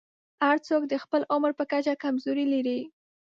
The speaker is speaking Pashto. هر څوک د خپل عمر په کچه کمزورۍ لري.